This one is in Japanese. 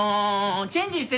チェンジして！